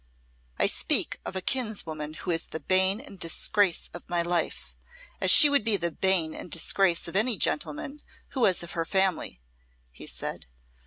"I speak of a kinswoman who is the bane and disgrace of my life, as she would be the bane and disgrace of any gentleman who was of her family," he said.